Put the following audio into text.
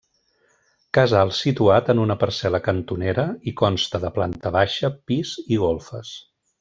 Casal situat en una parcel·la cantonera i consta de planta baixa, pis i golfes.